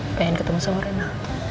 pengen ketemu sama reina